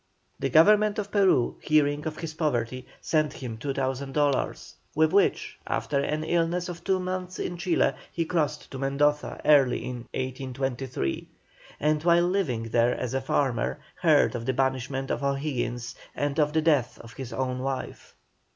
The Government of Peru, hearing of his poverty, sent him 2,000 dollars, with which, after an illness of two months in Chile, he crossed to Mendoza early in 1823, and while living there as a farmer, heard of the banishment of O'Higgins, and of the death of his own wife.